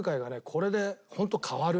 これでホント変わる。